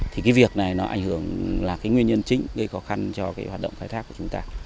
thì cái việc này nó ảnh hưởng là cái nguyên nhân chính gây khó khăn cho cái hoạt động khai thác của chúng ta